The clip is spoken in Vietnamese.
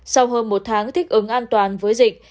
sau hơn một tháng thích ứng an toàn với dịch